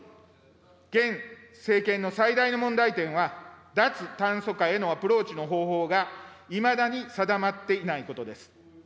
現政権の最大の問題点は、脱炭素化へのアプローチの方法がいまだに定まっていないことです。